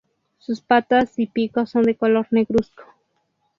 Sus patas y pico son de color negruzco.